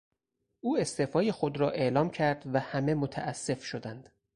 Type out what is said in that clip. او استعفای خود را اعلام کرد و همه متاسف شدند.